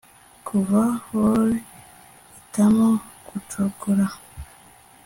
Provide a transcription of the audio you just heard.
kuva houri hitamo gucogora